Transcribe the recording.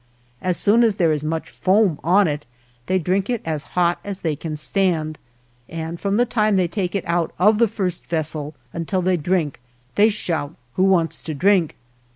As soon as there is much foam on it they drink it as hot as they can stand, and from the time they take it out of the first vessel until they drink they shout, "Who wants to drink?"